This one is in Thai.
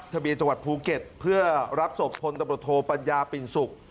ทะเบียนจังหวัดภูเก็ตเพื่อรับศพพลตำรวจโทปัญญาปิ่นสุข